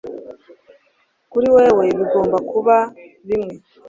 Kuri wewe bigomba kuba bimwe